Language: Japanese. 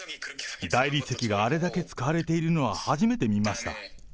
大理石があれだけ使われているのは初めて見ました。